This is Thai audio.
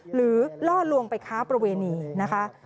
ล่อลวงไปค้าประเวณีนะคะ